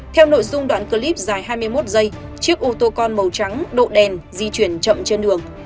theo nội dung đoạn clip dài hai mươi một giây chiếc ô tô con màu trắng độ đèn di chuyển chậm trên đường